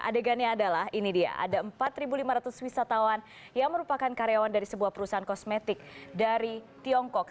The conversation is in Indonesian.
adegannya adalah ini dia ada empat lima ratus wisatawan yang merupakan karyawan dari sebuah perusahaan kosmetik dari tiongkok